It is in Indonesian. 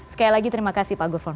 sekali lagi terima kasih pak gufron